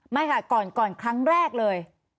ไม่ค่ะก่อนครั้งแรกเลย